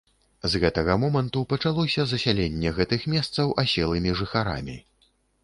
З гэтага моманту пачалося засяленне гэтых месцаў аселымі жыхарамі.